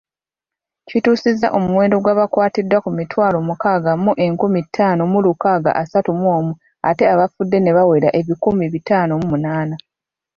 Kituusizza omuwendo gw’abakwatiddwa ku mitwalo mukaaga mu enkumi ttaano mu lukaaga asatu mu omu ate abafudde ne bawera ebikumi bitaano mu munaana.